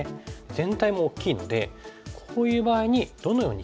全体も大きいのでこういう場合にどのように消したらいいか。